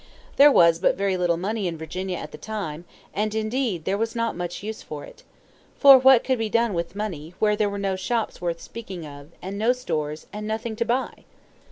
There was but very little money in Virginia at that time, and, indeed, there was not much use for it. For what could be done with money where there were no shops worth speaking of, and no stores, and nothing to buy?